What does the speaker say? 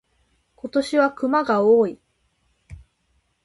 今年は熊が多い。